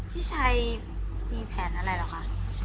พี่ชัยมีแผนอะไรเหรอคะ